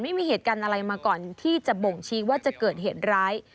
ไม่มีเหตุการณ์อะไรมาก่อนที่จะบ่งชี้ว่าจะเกิดเหตุร้าย